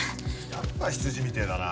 やっぱ羊みてぇだな。